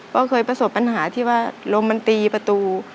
ก็เคยประสบปัญหาที่ว่าลมมันตีประตู